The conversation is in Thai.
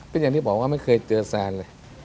ก็อย่างที่บอกว่าไม่เคยเจอแซนเลย